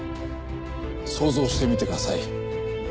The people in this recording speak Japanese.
想像してみてください。